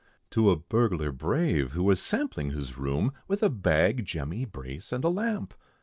To a burglar brave, who was sampling his room, With a bag, jemmy, brace, and a lamp.